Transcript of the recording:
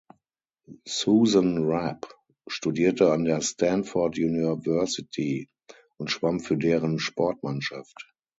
Susan Rapp studierte an der Stanford University und schwamm für deren Sportmannschaft.